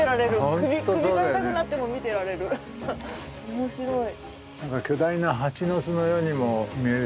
面白い。